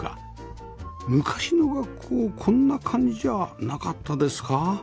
昔の学校こんな感じじゃなかったですか？